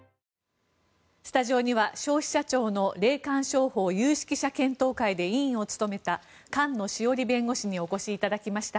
スタジオには消費者庁の霊感商法有識者検討会で委員を務めた菅野志桜里弁護士にお越しいただきました。